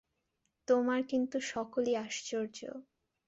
তোমার কিন্তু সকলই আশ্চর্য।